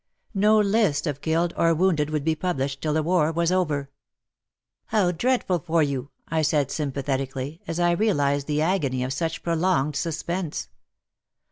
No list of killed or wounded would be published till the war was over. "How dreadful for you," I said sympathetically, as I realized the agony of such prolonged suspense.